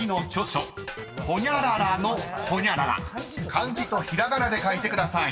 ［漢字とひらがなで書いてください］